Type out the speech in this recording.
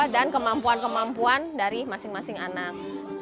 dan kemampuan kemampuan dari masing masing anak